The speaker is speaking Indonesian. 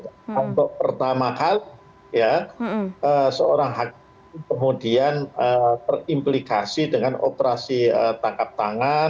untuk pertama kali ya seorang hakim kemudian terimplikasi dengan operasi tangkap tangan